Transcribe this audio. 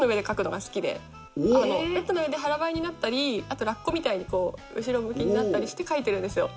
ベッドの上で腹ばいになったりラッコみたいに後ろ向きになったりして書いてるんですよ。